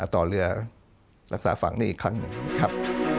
ต่อเรือรักษาฝั่งนี้อีกครั้งหนึ่งครับ